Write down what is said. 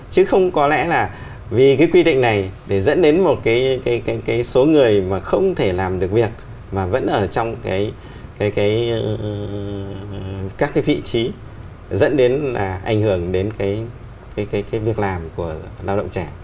chứ không có lẽ là vì cái quy định này để dẫn đến một cái số người mà không thể làm được việc mà vẫn ở trong cái vị trí dẫn đến là ảnh hưởng đến cái việc làm của lao động trẻ